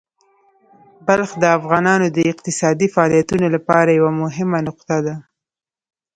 بلخ د افغانانو د اقتصادي فعالیتونو لپاره یوه مهمه نقطه ده.